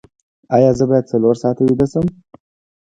ایا زه باید څلور ساعته ویده شم؟